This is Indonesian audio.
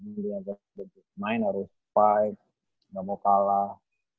main harus fight gak mau kalah